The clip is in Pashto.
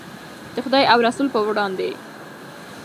د خدای او رسول په وړاندې.